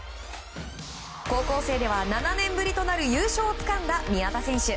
高校生では７年ぶりとなる優勝をつかんだ宮田選手。